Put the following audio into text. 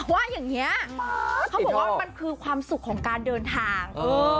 ว่าอย่างนี้เขาบอกว่ามันคือความสุขของการเดินทาง